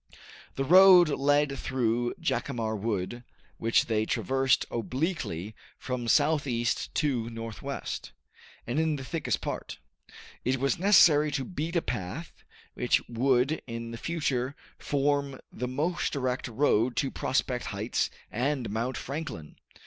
The road led through Jacamar Wood, which they traversed obliquely from southeast to northwest, and in the thickest part. It was necessary to beat a path, which would in the future form the most direct road to Prospect Heights and Mount Franklin.